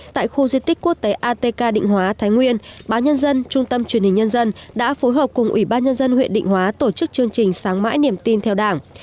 tại khu di tích quốc tế atk định hóa thái nguyên báo nhân dân trung tâm truyền hình nhân dân đã phối hợp cùng ủy ban nhân dân huyện định hóa tổ chức chương trình sáng mãi niềm tin theo đảng